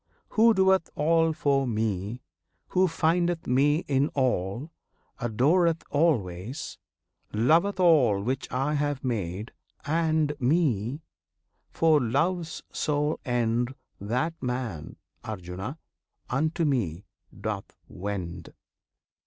Who doeth all for Me; who findeth Me In all; adoreth always; loveth all Which I have made, and Me, for Love's sole end That man, Arjuna! unto Me doth wend.